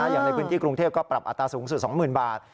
อย่างในพื้นที่กรุงเทพก็ปรับอัตราสูงสุด๒๐๐๐บาท